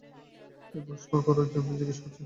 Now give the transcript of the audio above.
এই প্রশ্ন করার জন্য জিজ্ঞেস করছি।